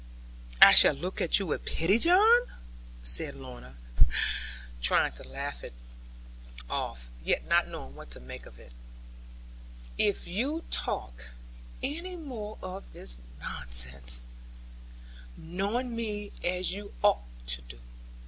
'I shall look at you with pity, John,' said Lorna, trying to laugh it off, yet not knowing what to make of me, 'if you talk any more of this nonsense, knowing me as you ought to do.